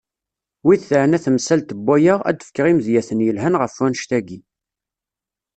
Wid teɛna temsalt n waya ad d-fkeɣ imedyaten yelhan ɣef wanect-agi.